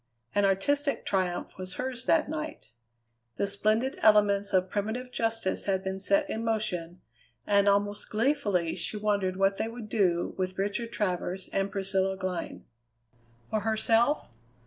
An artistic triumph was hers that night. The splendid elements of primitive justice had been set in motion, and almost gleefully she wondered what they would do with Richard Travers and Priscilla Glynn. For herself?